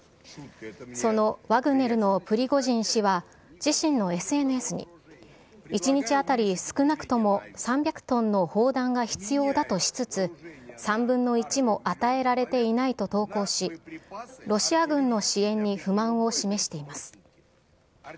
そのワグネルのプリゴジン氏は自身のＳＮＳに、１日当たり少なくとも３００トンの砲弾が必要だとしつつ、３分の１も与えられていないと投稿し、ロシア軍の支援に不満を示しています。